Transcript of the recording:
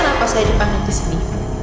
kenapa saya dipanggil kesini